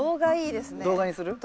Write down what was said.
動画にする？